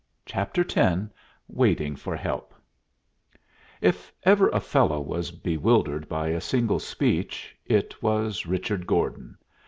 CHAPTER X WAITING FOR HELP If ever a fellow was bewildered by a single speech, it was Richard Gordon.